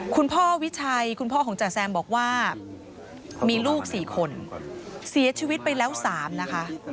คุณพ่อวิชัยคุณพ่อของจ๋าแซมบอกว่ามีลูก๔คนเสียชีวิตไปแล้ว๓นะคะ